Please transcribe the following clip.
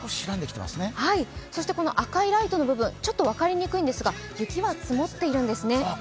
そして、赤いライトの部分分かりにくいんですが雪が積もっているんです。